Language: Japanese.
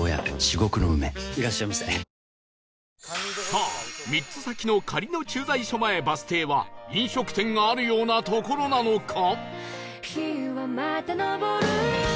さあ３つ先の苅野駐在所前バス停は飲食店があるような所なのか？